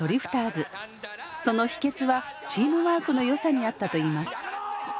その秘けつはチームワークのよさにあったといいます。